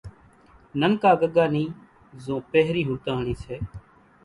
ننڪا ڳڳا نِي زو پھرين ھوتنڻي سي۔